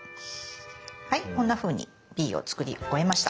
はいこんなふうに「Ｂ」を作り終えました。